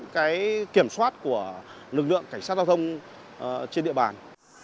cái kiểm soát của lực lượng cảnh sát giao thông trên địa bàn